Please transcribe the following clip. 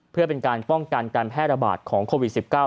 เพื่อเป็นการป้องกันการแพร่ระบาดของโควิด๑๙